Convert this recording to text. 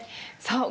そう。